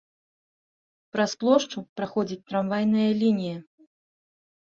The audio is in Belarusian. Праз плошчу праходзіць трамвайная лінія.